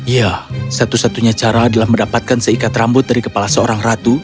ya satu satunya cara adalah mendapatkan seikat rambut dari kepala seorang ratu